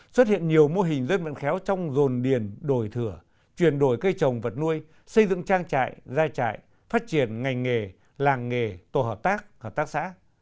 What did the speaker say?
xuất hiện nhiều mô hình dân vận khéo trong dồn điền đổi thửa chuyển đổi cây trồng vật nuôi xây dựng trang trại gia trại phát triển ngành nghề làng nghề tổ hợp tác hợp tác xã